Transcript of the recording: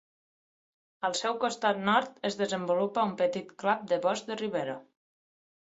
Al seu costat nord es desenvolupa un petit clap de bosc de ribera.